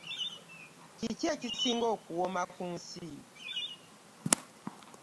Kiki ekisinga okuwooma ku nsi?